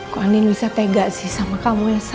kok andin bisa tegak sih sama kamu elsa